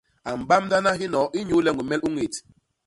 A mbamdana hinoo inyuule ñwemel u ñét.